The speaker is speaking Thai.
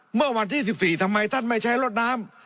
เมื่อวันที่๑๔ทำไมท่านไม่ใช้รถน้ำ